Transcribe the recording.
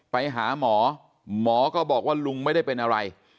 ไปหาหมอหมอก็บอกว่าลุงไม่ได้เป็นอะไร